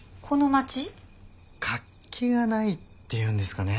活気がないっていうんですかね。